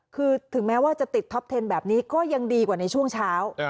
คือถึงแม้ว่าจะติดท็อปเทนแบบนี้ก็ยังดีกว่าในช่วงเช้า